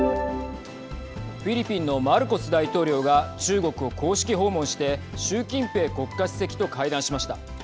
フィリピンのマルコス大統領が中国を公式訪問して習近平国家主席と会談しました。